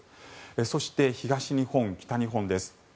そして東日本、北日本です。